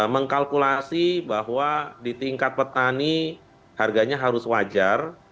mengkalkulasi bahwa di tingkat petani harganya harus wajar